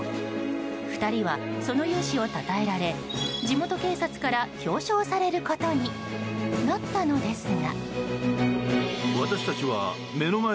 ２人はその雄姿をたたえられ地元警察から表彰されることになったのですが。